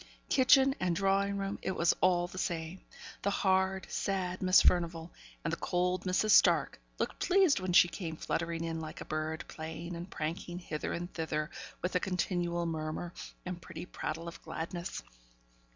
Kitchen and drawing room, it was all the same. The hard, sad Miss Furnivall, and the cold Mrs. Stark, looked pleased when she came fluttering in like a bird, playing and pranking hither and thither, with a continual murmur, and pretty prattle of gladness.